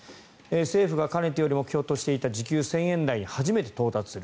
政府がかねてより目標としていた時給１０００円台に初めて突入する。